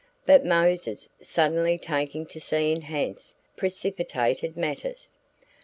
But Mose's suddenly taking to seeing ha'nts precipitated matters.